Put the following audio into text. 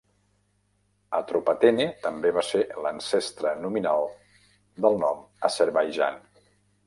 "Atropatene" també va ser l'ancestre nominal del nom "Azerbaijan".